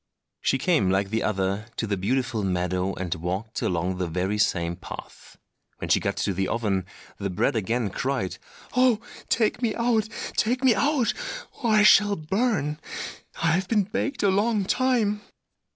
She came, like the other, to the beautiful meadow and walked along the very same path. When she got to the oven the bread again cried, "Oh, take me out! take me out! or I shall burn; I have been baked a long time!"